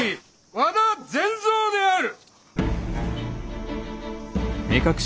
和田善蔵である！